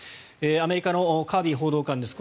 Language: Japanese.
アメリカのカービー報道官です。